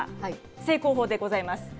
正攻法でございます。